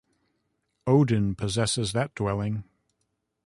Odin possesses that dwelling.